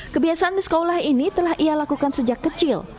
kebiasaan miskaulah ini telah ia lakukan sejak kecil